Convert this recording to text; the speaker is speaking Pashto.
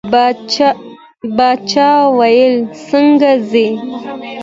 باچا وویل څنګه ځې.